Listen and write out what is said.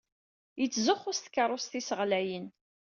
Yettzuxxu s tkeṛṛust-is ɣlayen.